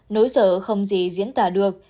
nỗi sợ không gì diễn tả được